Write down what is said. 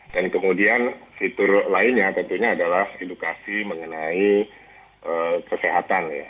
dan kemudian fitur lainnya tentunya adalah edukasi mengenai kesehatan ya